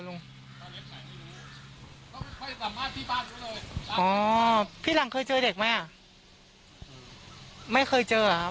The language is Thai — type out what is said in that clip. ลูกกลับไปที่บ้านเลย